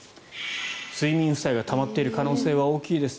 睡眠負債がたまっている可能性が大きいです。